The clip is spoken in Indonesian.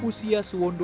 pertama bersama pak wondo